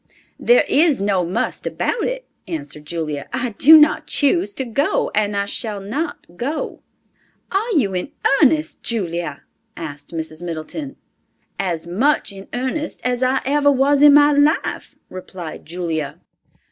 "There is no must about it," answered Julia; "I do not choose to go, and I shall not go!" "Are you in earnest, Julia?" asked Mrs. Middleton. "As much in earnest as I ever was in my life," replied Julia.